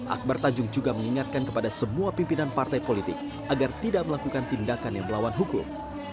akbar tanjung juga mengingatkan kepada semua pimpinan partai politik agar tidak melakukan tindakan yang melawan hukum